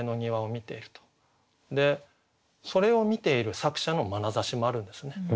でそれを観ている作者のまなざしもあるんですね。